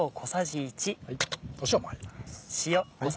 塩も入ります。